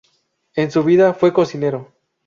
En su vida fue cocinero.